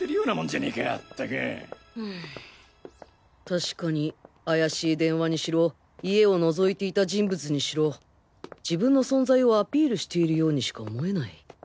確かに怪しい電話にしろ家をのぞいていた人物にしろ自分の存在をアピールしているようにしか思えない